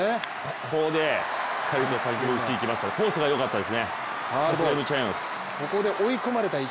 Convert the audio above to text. ここでしっかりと３球目打ちにいきましたねコースが良かったです。